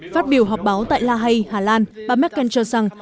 phát biểu họp báo tại la hay hà lan bà merkel cho rằng